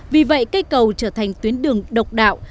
vì vậy cây cầu trở thành tuyến đường độc đạo